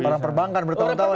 orang perbankan bertahun tahun